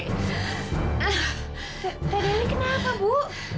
d dewi kenapa bu